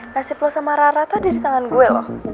nasib lo sama rarata ada di tangan gue loh